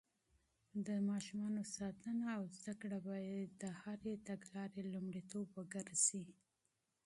د ماشومانو ساتنه او تعليم بايد د هرې تګلارې لومړيتوب وګرځي.